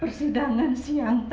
cepet ibu ingat ingat